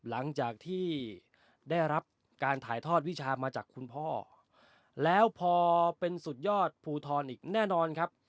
หลังจากที่ได้รับการถ่ายทอดวิชามาจากคุณพ่อแล้วพอเป็นสุดยอดภูทรอีกแน่นอนครับ